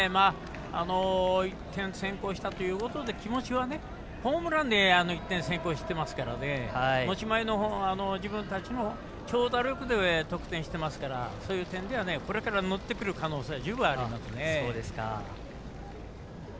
１点先行したということで気持ちは、ホームランで１点先行してますから持ち前の自分たちの長打力で得点していますからそういう点ではこれから乗ってくる可能性は十分ありますね。